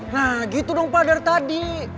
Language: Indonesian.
nah gitu dong pak dar tadi